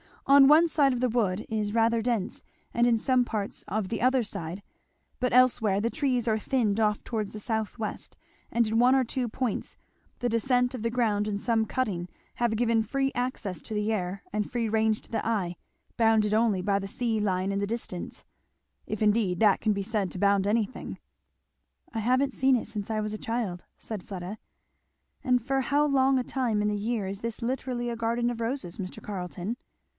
"On one side the wood is rather dense, and in some parts of the other side; but elsewhere the trees are thinned off towards the south west, and in one or two points the descent of the ground and some cutting have given free access to the air and free range to the eye, bounded only by the sea line in the distance if indeed that can be said to bound anything." "I haven't seen it since I was a child," said Fleda. "And for how long a time in the year is this literally a garden of roses, Mr. Carleton?"